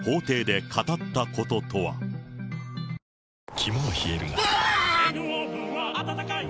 肝は冷えるがうわ！